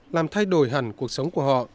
làm thay đổi hẳn cuộc sống của họ